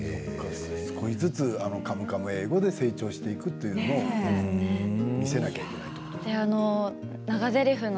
少しずつ「カムカム英語」で成長していくというのを見せなきゃいけないですよね。